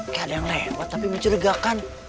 kayak ada yang lengwat tapi mencurigakan